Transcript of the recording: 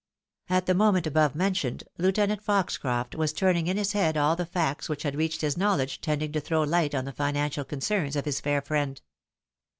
At the moment above mentioned, Lieutenant Foxcroft was turning in his head all the facts which had reached his knowledge tending to throw light on the financial concerns of his fair friend.